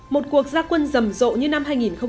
một cuộc gia quân rầm rộ như năm hai nghìn một mươi tám